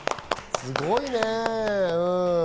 すごいね。